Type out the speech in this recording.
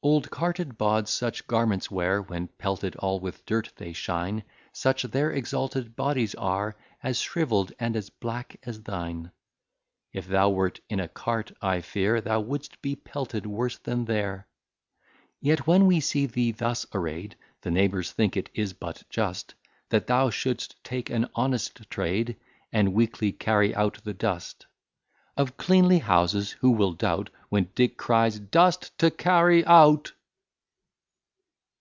Old carted bawds such garments wear, When pelted all with dirt they shine; Such their exalted bodies are, As shrivell'd and as black as thine. If thou wert in a cart, I fear Thou wouldst be pelted worse than they're. Yet, when we see thee thus array'd, The neighbours think it is but just, That thou shouldst take an honest trade, And weekly carry out the dust. Of cleanly houses who will doubt, When Dick cries "Dust to carry out!"